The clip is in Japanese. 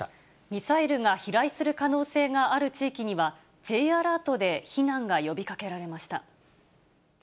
ミサイルが飛来する可能性がある地域には、Ｊアラートで避難が呼びかけられました。